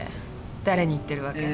誰に言ってるわけ？